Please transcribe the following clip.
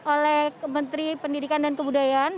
oleh menteri pendidikan dan kebudayaan